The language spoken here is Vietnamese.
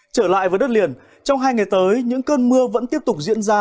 trở lại với đất liền trong hai ngày tới những cơn mưa vẫn tiếp tục diễn ra